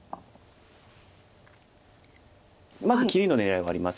まず切りの狙いはあります。